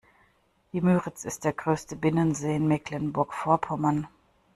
Die Müritz ist der größte Binnensee in Mecklenburg-Vorpommern.